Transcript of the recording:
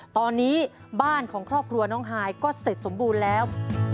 ตอนนี้บ้านของครอบครัวน้องฮายก็เสร็จสมบูรณ์แล้ว